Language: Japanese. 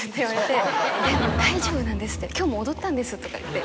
「でも大丈夫なんです今日も踊ったんです」とか言って。